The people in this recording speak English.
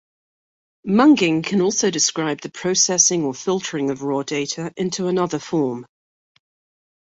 Munging can also describe the processing or filtering of raw data into another form.